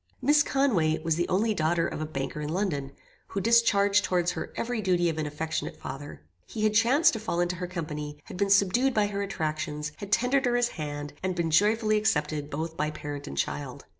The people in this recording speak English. "Miss Conway was the only daughter of a banker in London, who discharged towards her every duty of an affectionate father. He had chanced to fall into her company, had been subdued by her attractions, had tendered her his hand, and been joyfully accepted both by parent and child.